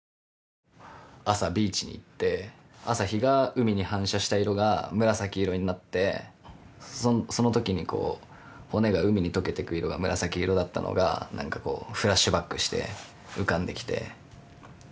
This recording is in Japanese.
朝ビーチに行って朝日が海に反射した色が紫色になってその時にこう骨が海にとけてく色が紫色だったのが何かこうフラッシュバックして浮かんできて。